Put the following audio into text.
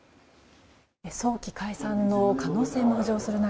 早期解散の可能性も浮上する中